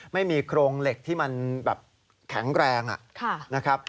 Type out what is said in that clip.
ไม่มีโครงเหล็กที่มันแบบแข็งแรงนะครับ